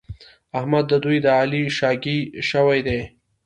احمد دوی د علي شاګی شوي دي.